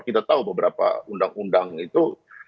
kita tahu beberapa undang undang itu